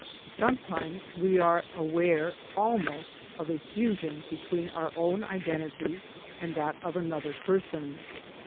Sometimes we are aware of A Note 517 almost a fusion between our own identity and that of another person.